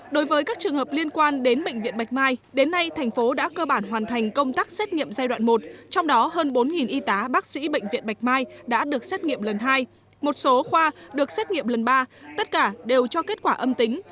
đối với các trường hợp liên quan đến bệnh viện bạch mai đến nay thành phố đã cơ bản hoàn thành công tác xét nghiệm giai đoạn một trong đó hơn bốn y tá bác sĩ bệnh viện bạch mai đã được xét nghiệm lần hai một số khoa được xét nghiệm lần ba tất cả đều cho kết quả âm tính